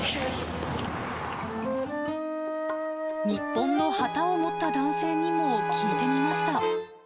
日本の旗を持った男性にも聞いてみました。